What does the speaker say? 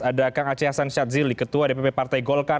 ada kang aceh hasan syadzili ketua dpp partai golkar